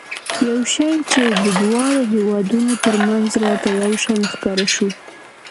یو شی چې د دواړو هېوادونو ترمنځ راته یو شان ښکاره شو.